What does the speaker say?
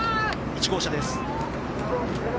１号車です。